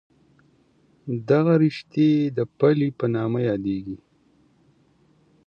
دغه رشتې د پلې په نامه یادېږي.